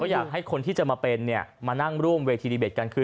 อยากให้คนที่จะมาเป็นเนี่ยมานั่งร่วมเวทีดีเบตกันคือ